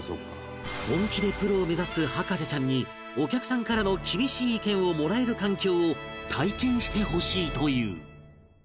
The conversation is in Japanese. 本気でプロを目指す博士ちゃんにお客さんからの厳しい意見をもらえる環境を体験してほしいという